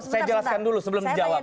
saya jelaskan dulu sebelum dijawab